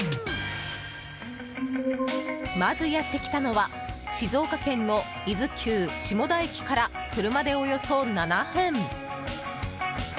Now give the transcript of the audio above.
まずやってきたのは静岡県の伊豆急下田駅から車でおよそ７分。